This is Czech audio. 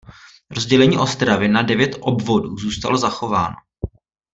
Rozdělení Ostravy na devět obvodů zůstalo zachováno.